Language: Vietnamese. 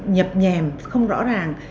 nhập nhèm không rõ ràng